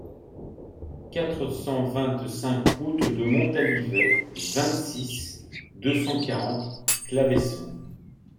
quatre cent vingt-cinq route de Montalivet, vingt-six, deux cent quarante, Claveyson